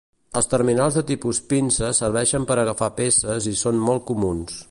Els terminals de tipus pinça serveixen per agafar peces i són molt comuns.